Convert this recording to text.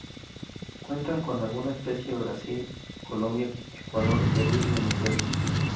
Cuentan con alguna especie Brasil, Colombia, Ecuador, Perú, y Venezuela.